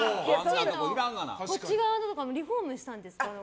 こっち側はリフォームしたんですか？